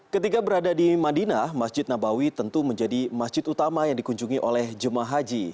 ketika berada di madinah masjid nabawi tentu menjadi masjid utama yang dikunjungi oleh jemaah haji